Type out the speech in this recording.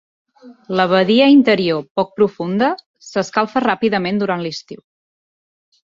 La badia interior, poc profunda, s'escalfa ràpidament durant l'estiu.